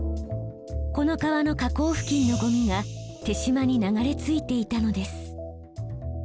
この川の河口付近のゴミが手島に流れ着いていたのです。